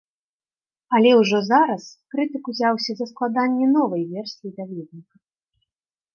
Але ўжо зараз крытык ўзяўся за складанне новай версіі даведніка.